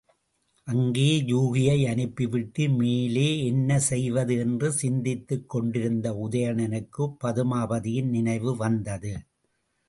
அங்கே யூகியை அனுப்பிவிட்டு மேலே என்ன செய்வது என்று சிந்தித்துக் கொண்டிருந்த உதயணனுக்குப் பதுமாபதியின் நினைவு வந்தது.